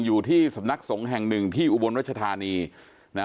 อยู่ที่สำนักสงฆ์แห่งหนึ่งที่อุบลรัชธานีนะ